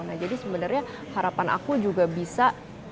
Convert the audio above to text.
nah jadi sebenarnya harapan aku juga bisa